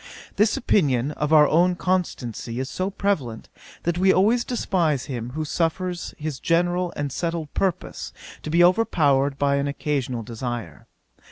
This opinion of our own constancy is so prevalent, that we always despise him who suffers his general and settled purpose to be overpowered by an occasional desire.